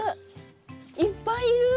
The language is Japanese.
いっぱいいる。